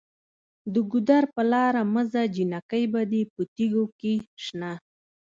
د ګودر په لاره مه ځه جینکۍ به دې په تیږو کې شنه